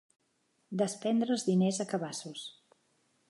Despendre els diners a cabassos.